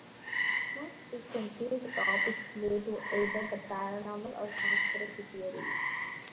Most frequently the topics relate to either the paranormal or conspiracy theories.